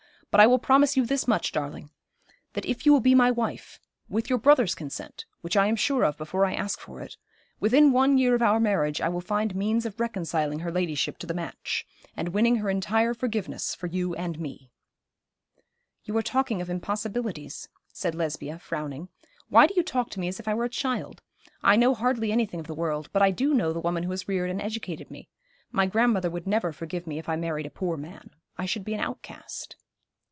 But I will promise you this much, darling, that if you will be my wife with your brother's consent which I am sure of before I ask for it, within one year of our marriage I will find means of reconciling her ladyship to the match, and winning her entire forgiveness for you and me.' 'You are talking of impossibilities,' said Lesbia, frowning. 'Why do you talk to me as if I were a child? I know hardly anything of the world, but I do know the woman who has reared and educated me. My grandmother would never forgive me if I married a poor man. I should be an outcast.'